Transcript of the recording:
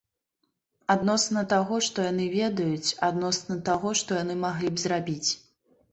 Адносна таго, што яны ведаюць, адносна таго, што яны маглі б зрабіць.